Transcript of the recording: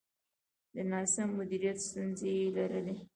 د ناسم مدیریت ستونزې یې لرلې.